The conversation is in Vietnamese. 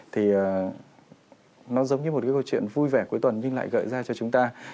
thì nó giống như một cái câu chuyện vui vẻ cuối tuần nhưng lại gợi ra cho chúng ta